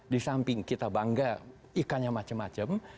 di samping kita bangga ikannya macam macam